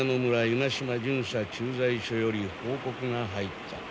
湯ヶ島巡査駐在所より報告が入った。